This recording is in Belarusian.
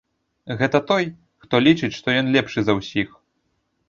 Гэта той, хто лічыць, што ён лепшы за ўсіх.